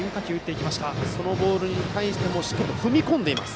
そのボールに対してもしっかり踏み込んでいます。